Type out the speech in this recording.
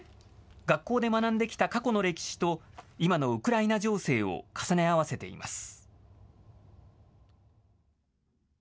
学校で学んできた過去の歴史と今のウクライナ情勢を重ね合わせています。